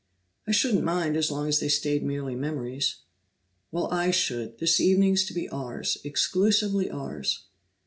"I shouldn't mind as long as they stayed merely memories." "Well, I should! This evening's to be ours exclusively ours."